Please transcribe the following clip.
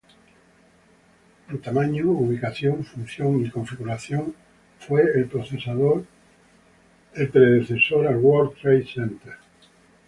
En tamaño, ubicación, función y configuración fue el predecesor al World Trade Center.